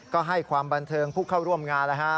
ก็ให้ความบันเทิงผู้เข้าร่วมงานแล้วฮะ